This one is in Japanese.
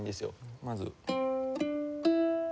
まず。